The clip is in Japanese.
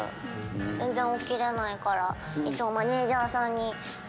全然起きれないから。